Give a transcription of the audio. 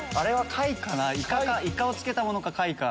イカを漬けたものか貝か。